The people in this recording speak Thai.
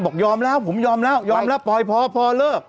บอกยอมแล้วผมยอมแล้วยอมแล้วปล่อยพอพอเลิก